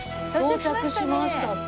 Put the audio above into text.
到着しましたって。